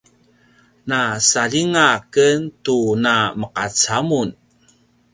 na saljinga ken tu na meqaca mun